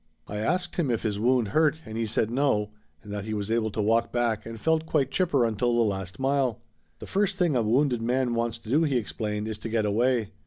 I asked him if his wound hurt, and he said no, and that he was able to walk back, and felt quite chipper until the last mile. "The first thing a wounded man wants to do," he explained, "is to get away.